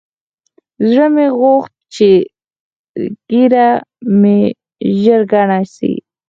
زړه مې غوښت چې ږيره مې ژر گڼه سي.